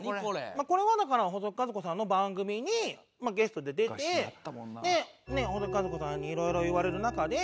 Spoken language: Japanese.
まあこれはだから細木数子さんの番組にゲストで出て細木数子さんにいろいろ言われる中で。